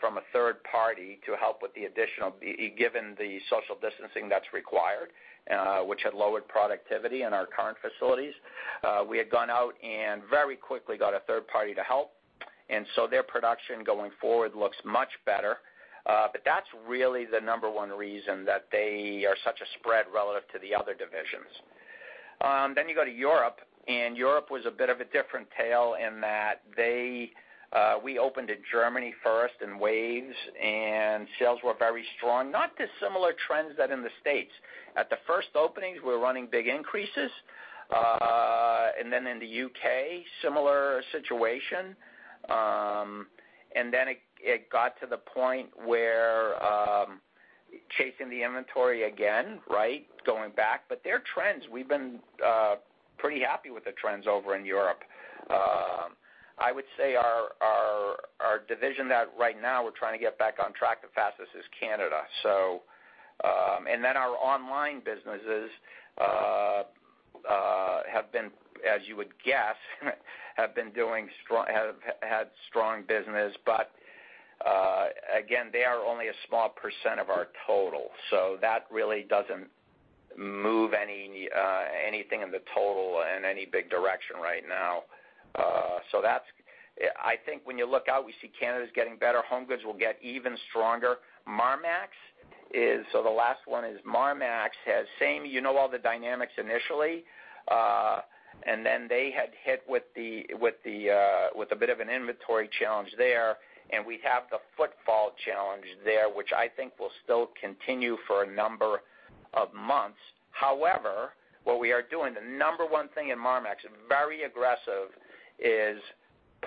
from a third party to help with the additional, given the social distancing that's required, which had lowered productivity in our current facilities. We had gone out and very quickly got a third party to help. Their production going forward looks much better. That's really the number one reason that they are such a spread relative to the other divisions. You go to Europe, and Europe was a bit of a different tale in that we opened in Germany first in waves and sales were very strong. Not dissimilar trends than in the States. At the first openings, we were running big increases. In the U.K., similar situation. It got to the point where chasing the inventory again, right, going back. Their trends, we've been pretty happy with the trends over in Europe. I would say our division that right now we're trying to get back on track the fastest is Canada. Our online businesses, as you would guess, have had strong business. Again, they are only a small % of our total. That really doesn't move anything in the total in any big direction right now. I think when you look out, we see Canada's getting better. HomeGoods will get even stronger. The last one is Marmaxx has same, you know all the dynamics initially, and then they had hit with a bit of an inventory challenge there, and we have the footfall challenge there, which I think will still continue for a number of months. However, what we are doing, the number one thing in Marmaxx, very aggressive, is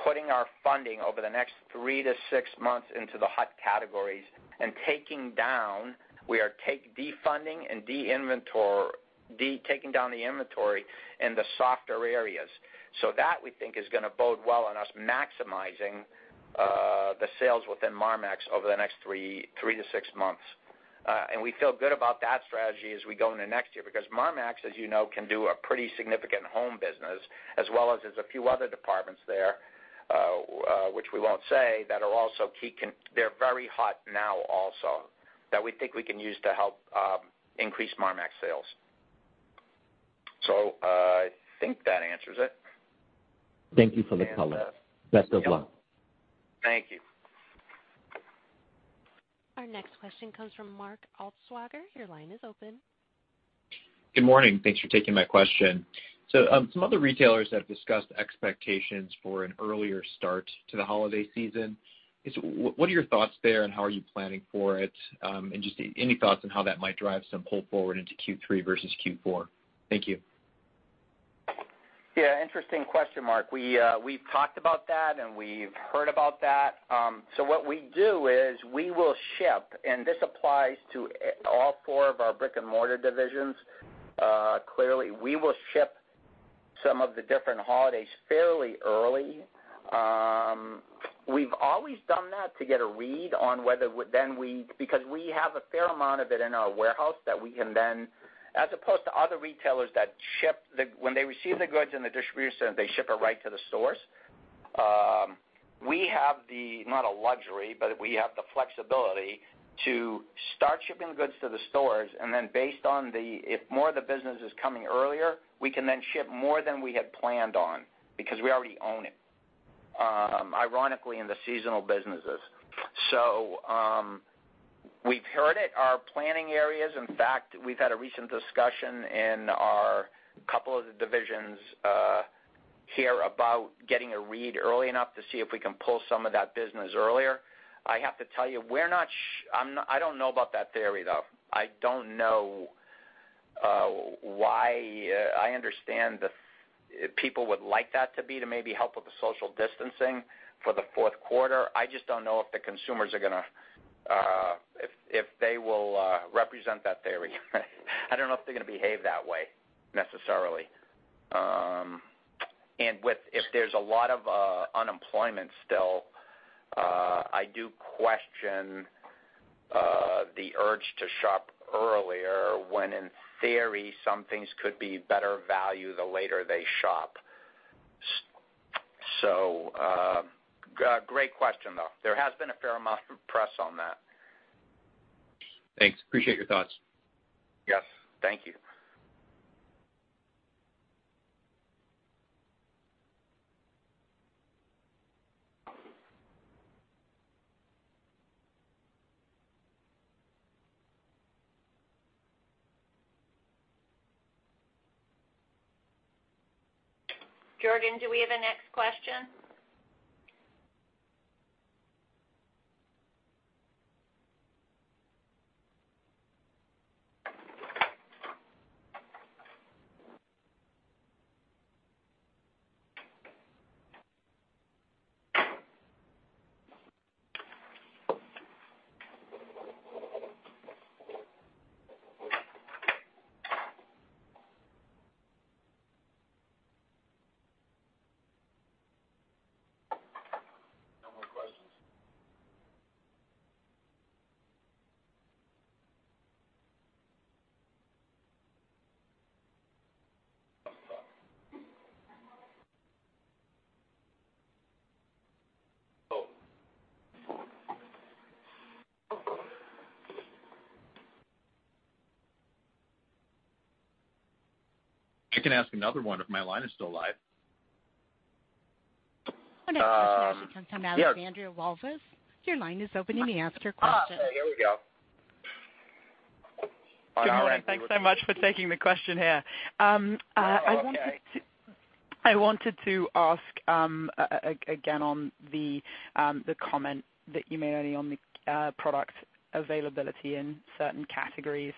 putting our funding over the next three to six months into the hot categories and taking down. We are take defunding and taking down the inventory in the softer areas. That, we think, is going to bode well on us maximizing the sales within Marmaxx over the next three to six months. We feel good about that strategy as we go into next year, because Marmaxx, as you know, can do a pretty significant home business, as well as there's a few other departments there, which we won't say, that are also very hot now also, that we think we can use to help increase Marmaxx sales. I think that answers it. Thank you for the color. Best of luck. Thank you. Our next question comes from Mark Altschwager. Your line is open. Good morning. Thanks for taking my question. Some other retailers have discussed expectations for an earlier start to the holiday season. What are your thoughts there, and how are you planning for it? Just any thoughts on how that might drive some pull forward into Q3 versus Q4? Thank you. Yeah, interesting question, Mark. We've talked about that, and we've heard about that. What we do is we will ship, and this applies to all four of our brick-and-mortar divisions. Clearly, we will ship some of the different holidays fairly early. We've always done that to get a read on because we have a fair amount of it in our warehouse that we can then, as opposed to other retailers that when they receive the goods in the distribution center, they ship it right to the stores. We have the, not a luxury, but we have the flexibility to start shipping the goods to the stores, and then based on if more of the business is coming earlier, we can then ship more than we had planned on, because we already own it, ironically, in the seasonal businesses. We've heard it. Our planning areas, in fact, we've had a recent discussion in a couple of the divisions here about getting a read early enough to see if we can pull some of that business earlier. I have to tell you, I don't know about that theory, though. I don't know why. I understand that people would like that to be to maybe help with the social distancing for the fourth quarter. I just don't know if the consumers if they will represent that theory. I don't know if they're going to behave that way necessarily. If there's a lot of unemployment still, I do question the urge to shop earlier when in theory, some things could be better value the later they shop. Great question, though. There has been a fair amount of press on that. Thanks. Appreciate your thoughts. Yes. Thank you. Jordan, do we have a next question? No more questions. Oh. I can ask another one if my line is still live. Our next question actually comes from Alexandra Walvis. Your line is open. You may ask your question. Oh, here we go. Good morning. Thanks so much for taking the question here. Okay. I wanted to ask, again, on the comment that you made earlier on the product availability in certain categories.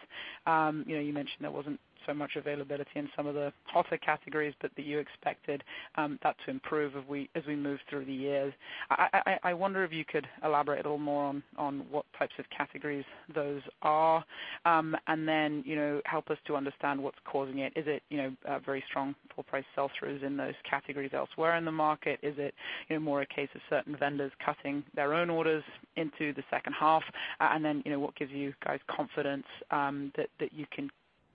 You mentioned there wasn't so much availability in some of the hotter categories, but that you expected that to improve as we move through the years. I wonder if you could elaborate a little more on what types of categories those are, and then help us to understand what's causing it. Is it very strong full price sell-throughs in those categories elsewhere in the market? Is it more a case of certain vendors cutting their own orders into the second half? What gives you guys confidence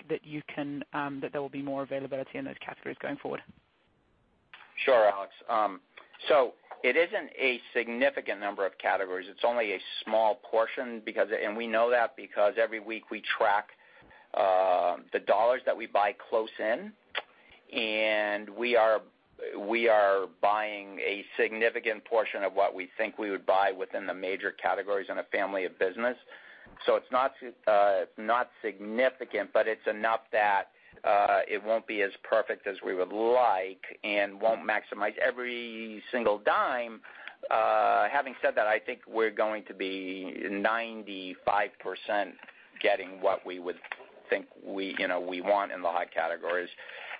that there will be more availability in those categories going forward? Sure, Alex. It isn't a significant number of categories. It's only a small portion, and we know that because every week we track the dollars that we buy close in, and we are buying a significant portion of what we think we would buy within the major categories in a family of business. It's not significant, but it's enough that it won't be as perfect as we would like and won't maximize every single dime. Having said that, I think we're going to be 95% getting what we would think we want in the hot categories.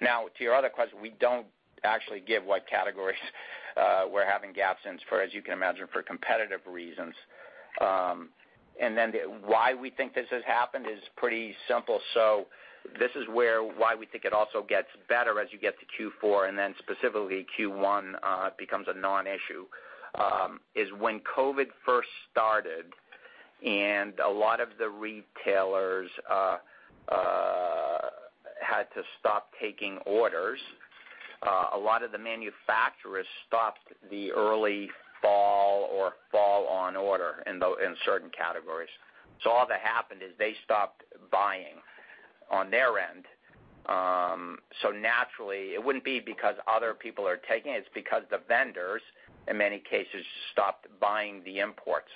Now, to your other question, we don't actually give what categories we're having gaps in, as you can imagine, for competitive reasons. Why we think this has happened is pretty simple. This is why we think it also gets better as you get to Q4, and then specifically Q1 becomes a non-issue, is when COVID first started and a lot of the retailers had to stop taking orders, a lot of the manufacturers stopped the early fall or fall on order in certain categories. All that happened is they stopped buying on their end. Naturally, it wouldn't be because other people are taking it's because the vendors, in many cases, stopped buying the imports.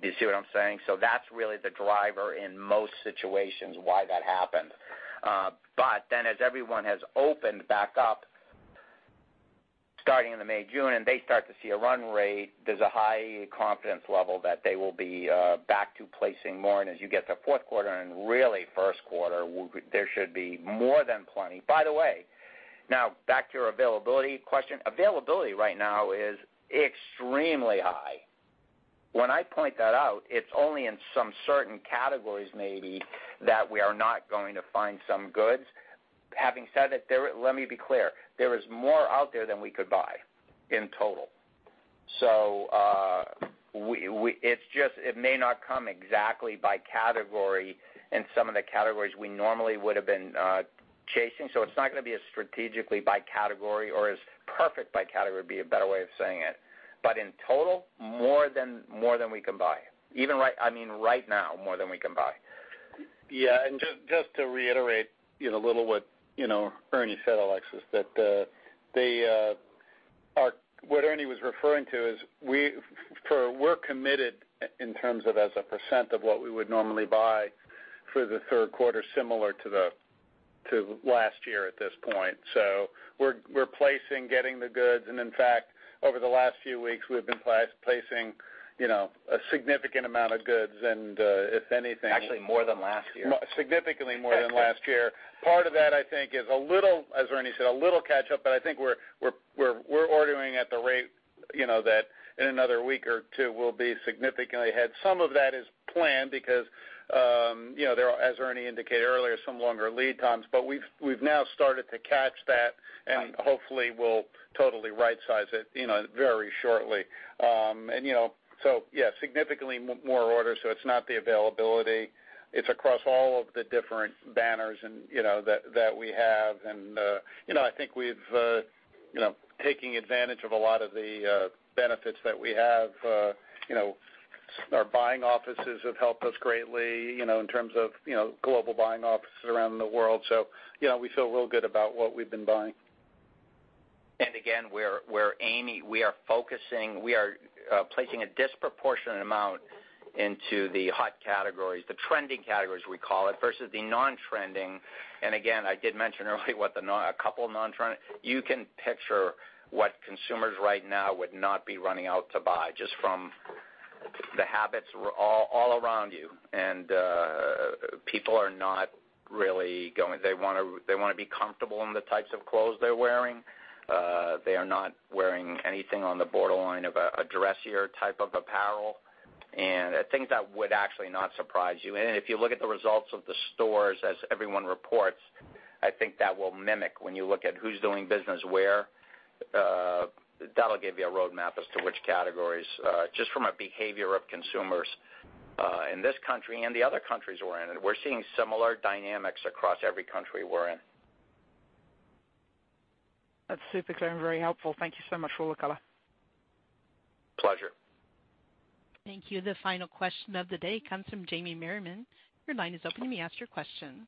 Do you see what I'm saying? That's really the driver in most situations why that happened. As everyone has opened back up, starting in the May, June, and they start to see a run rate, there's a high confidence level that they will be back to placing more, and as you get to fourth quarter and really first quarter, there should be more than plenty. By the way, now back to your availability question. Availability right now is extremely high. When I point that out, it's only in some certain categories maybe that we are not going to find some goods. Having said that, let me be clear. There is more out there than we could buy in total. It may not come exactly by category in some of the categories we normally would have been chasing. It's not going to be as strategically by category or as perfect by category, would be a better way of saying it. In total, more than we can buy. I mean, right now, more than we can buy. Yeah, and just to reiterate a little what Ernie said, Alexis, what Ernie was referring to is we're committed in terms of as a percent of what we would normally buy for the third quarter, similar to last year at this point. We're placing, getting the goods, and in fact, over the last few weeks, we've been placing a significant amount of goods, and if anything. Actually more than last year. Significantly more than last year. Part of that, I think, is a little, as Ernie said, a little catch up, but I think we're ordering at the rate that in another week or two, we'll be significantly ahead. Some of that is planned because as Ernie indicated earlier, some longer lead times. We've now started to catch that and hopefully will totally rightsize it very shortly. Yeah, significantly more orders, so it's not the availability. It's across all of the different banners that we have. I think taking advantage of a lot of the benefits that we have, our buying offices have helped us greatly in terms of global buying offices around the world. We feel real good about what we've been buying. Again, we are focusing, we are placing a disproportionate amount into the hot categories, the trending categories we call it, versus the non-trending. Again, I did mention earlier a couple non-trending. You can picture what consumers right now would not be running out to buy, just from the habits all around you. People are not really going. They want to be comfortable in the types of clothes they're wearing. They are not wearing anything on the borderline of a dressier type of apparel, and things that would actually not surprise you. If you look at the results of the stores as everyone reports, I think that will mimic when you look at who's doing business where. That'll give you a roadmap as to which categories, just from a behavior of consumers, in this country and the other countries we're in. We're seeing similar dynamics across every country we're in. That's super clear and very helpful. Thank you so much for all the color. Pleasure. Thank you. The final question of the day comes from Jamie Merriman. Your line is open. You may ask your question.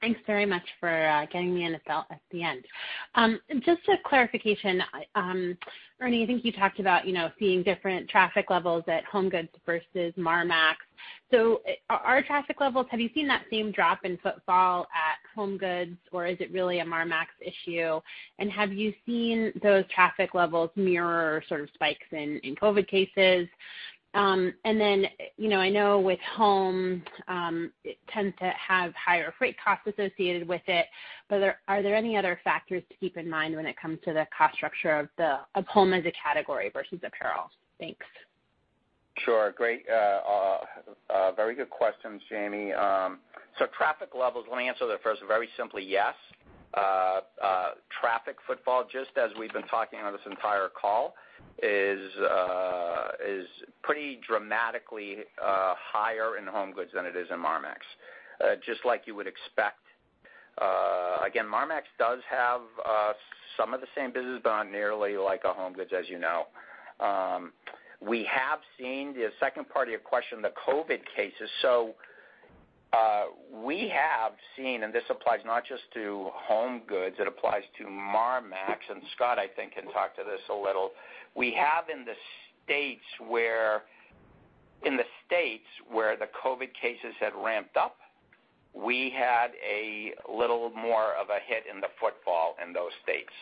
Thanks very much for getting me in at the end. Just a clarification. Ernie, I think you talked about seeing different traffic levels at HomeGoods versus Marmaxx. Our traffic levels, have you seen that same drop in footfall at HomeGoods, or is it really a Marmaxx issue? Have you seen those traffic levels mirror sort of spikes in COVID-19 cases? Then, I know with home, it tends to have higher freight costs associated with it, but are there any other factors to keep in mind when it comes to the cost structure of home as a category versus apparel? Thanks. Sure. Great. Very good questions, Jamie. Traffic levels, let me answer that first very simply, yes. Traffic footfall, just as we've been talking on this entire call, is pretty dramatically higher in HomeGoods than it is in Marmaxx. Just like you would expect. Again, Marmaxx does have some of the same business, but not nearly like a HomeGoods, as you know. We have seen the second part of your question, the COVID cases. We have seen, and this applies not just to HomeGoods, it applies to Marmaxx, and Scott, I think, can talk to this a little. We have in the states where the COVID cases had ramped up, we had a little more of a hit in the footfall in those states,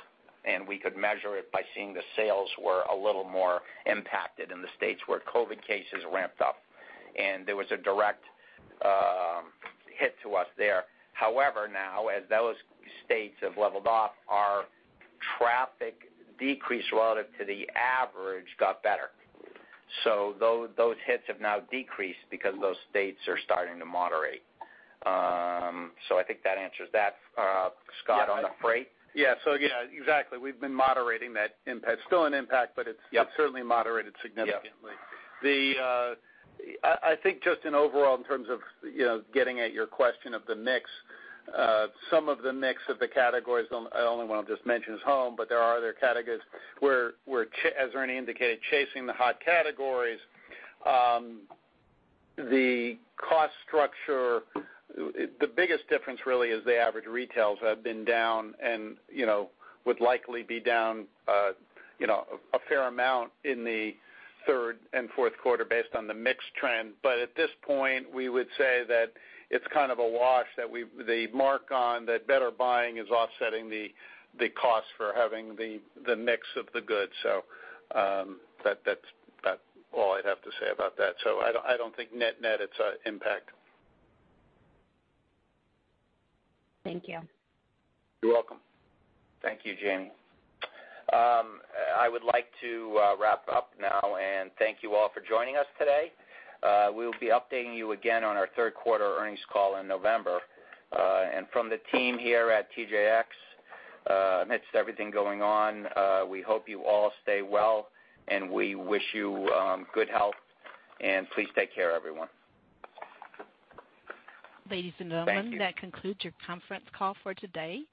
and we could measure it by seeing the sales were a little more impacted in the states where COVID cases ramped up. There was a direct hit to us there. However, now, as those states have leveled off, our traffic decrease relative to the average got better. Those hits have now decreased because those states are starting to moderate. I think that answers that. Scott, on the freight? Yeah. Again, exactly. We've been moderating that impact. Still an impact, but it's certainly moderated significantly. Yeah. I think just in overall in terms of getting at your question of the mix, some of the mix of the categories, I only want to just mention is home, but there are other categories where, as Ernie indicated, chasing the hot categories. The cost structure, the biggest difference really is the average retails have been down and would likely be down a fair amount in the third and fourth quarter based on the mix trend. At this point, we would say that it's kind of a wash, that the mark-on that better buying is offsetting the cost for having the mix of the goods. That's all I'd have to say about that. I don't think net, it's an impact. Thank you. You're welcome. Thank you, Jamie. I would like to wrap up now and thank you all for joining us today. We will be updating you again on our third quarter earnings call in November. From the team here at TJX, amidst everything going on, we hope you all stay well, and we wish you good health, and please take care, everyone. Ladies and gentlemen. That concludes your conference call for today.